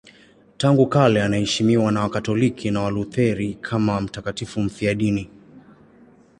Tangu kale anaheshimiwa na Wakatoliki na Walutheri kama mtakatifu mfiadini.